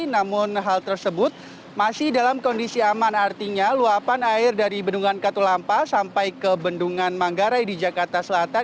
namun hal tersebut masih dalam kondisi aman artinya luapan air dari bendungan katulampa sampai ke bendungan manggarai di jakarta selatan